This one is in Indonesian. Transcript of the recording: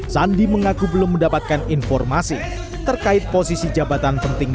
sandi mengaku belum mendapatkan informasi terkait posisi jabatan penting